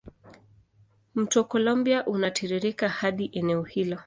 Mto Columbia unatiririka katika eneo hilo.